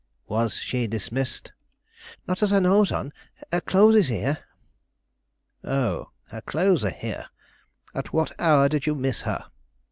"Was she dismissed?" "Not as I knows on; her clothes is here." "Oh, her clothes are here. At what hour did you miss her?"